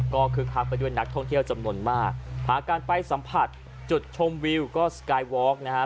ก็คึกคักไปด้วยนักท่องเที่ยวจำนวนมากหาการไปสัมผัสจุดชมวิวก็สกายวอล์กนะฮะ